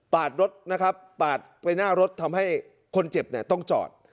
รถนะครับปาดไปหน้ารถทำให้คนเจ็บเนี่ยต้องจอด